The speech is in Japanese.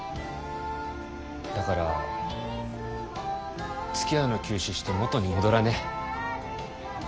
だからつきあうの休止して元に戻らね？